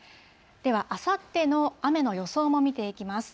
では、あさっての雨の予想も見ていきます。